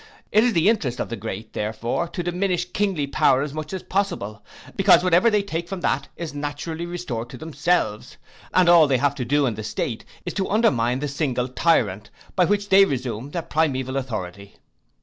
It is the interest of the great, therefore, to diminish kingly power as much as possible; because whatever they take from that is naturally restored to themselves; and all they have to do in the state, is to undermine the single tyrant, by which they resume their primaeval authority.